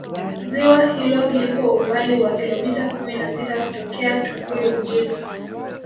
ziwa hilo lipo umbali wa Kilomita kumi na sita kutokea tukuyu mjini